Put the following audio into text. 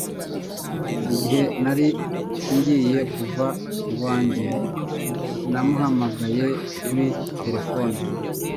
Igihe nari ngiye kuva iwanjye namuhamagaye kuri telefoni